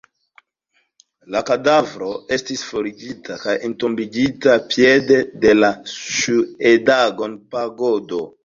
La kadavro estis forigita kaj entombigita piede de la Ŝŭedagon-pagodo.